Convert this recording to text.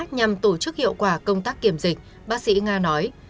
nhằm tổ chức hiệu quả công tác kiểm dịch bác sĩ nga nói